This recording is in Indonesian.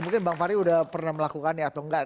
mungkin bang fahri udah pernah melakukan ya atau enggak